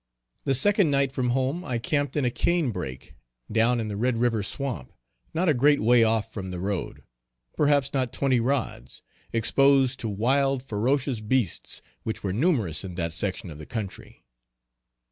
The second night from home I camped in a cane break down in the Red river swamp not a great way off from the road, perhaps not twenty rods, exposed to wild ferocious beasts which were numerous in that section of country.